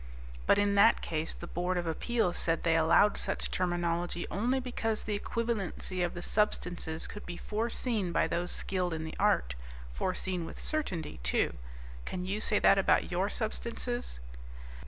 "But in that case the Board of Appeals said they allowed such terminology only because the equivalency of the substances could be foreseen by those skilled in the art, foreseen with certainty, too. Can you say that about your substances?"